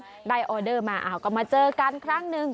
พอได้ออเดอร์มาก็มาเจอกันครั้งหนึ่ง